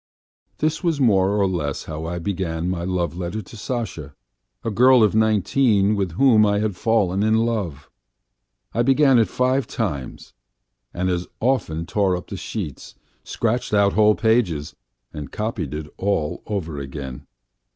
This was more or less how I began my love letter to Sasha, a girl of nineteen with whom I had fallen in love. I began it five times, and as often tore up the sheets, scratched out whole pages, and copied it all over again.